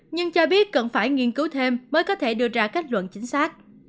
nhưng cho biết cần phải nghiên cứu thêm mới có thể đưa ra kết luận chính xác